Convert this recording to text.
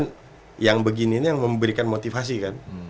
dan yang begini ini yang memberikan motivasi kan